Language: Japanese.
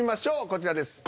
こちらです。